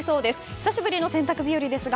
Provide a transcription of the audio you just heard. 久しぶりの洗濯日和ですが